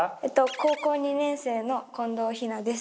高校２年生の近藤陽菜です。